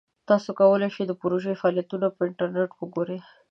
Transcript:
تاسو کولی شئ د پروژې فعالیتونه په انټرنیټ وګورئ.